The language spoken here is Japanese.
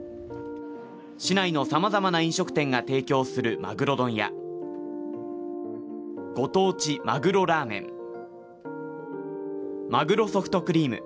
市内のさまざまな飲食店が提供するまぐろ丼やご当地まぐろラーメンまぐろソフトクリーム